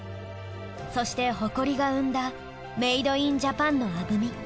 そして誇りが生んだメイドインジャパンのアブミ。